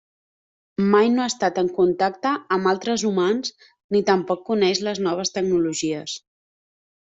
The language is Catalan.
Mai no ha estat en contacte amb altres humans ni tampoc coneix les noves tecnologies.